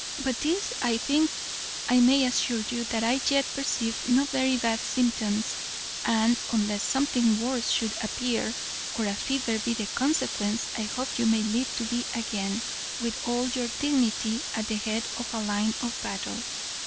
But this I think I may assure you, that I yet perceive no very bad symptoms, and, unless something worse should appear, or a fever be the consequence, I hope you may live to be again, with all your dignity, at the head of a line of battle."